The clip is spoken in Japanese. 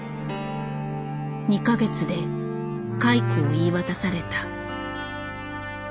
２か月で解雇を言い渡された。